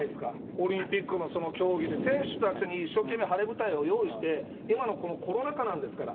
オリンピックの競技で、選手たちに一生懸命晴れ舞台を用意して、今のコロナ禍なんですから。